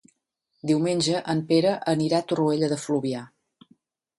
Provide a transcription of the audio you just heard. Diumenge en Pere anirà a Torroella de Fluvià.